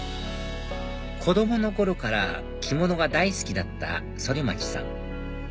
子供の頃から着物が大好きだった反町さん